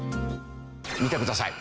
見てください。